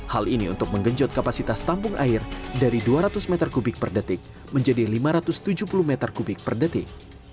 hal ini untuk menggenjot kapasitas tampung air dari dua ratus meter kubik per detik menjadi lima ratus tujuh puluh meter kubik per detik